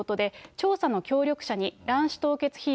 調査の協力者に、卵子凍結費用